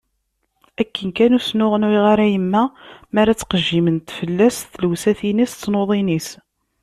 Akken kan ur sneɣnayeɣ ara yemma mi ara ttqejjiment fell-as tlewsatin-is d tnuḍin-is